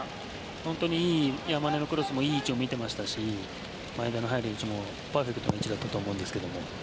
本当に、山根のクロスもいい位置を見ていたし前田の入る位置もパーフェクトな位置だったと思うんですけど。